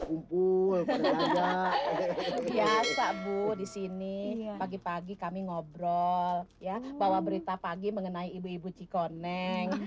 kumpul biasa bu di sini pagi pagi kami ngobrol ya bahwa berita pagi mengenai ibu ibu cikoneng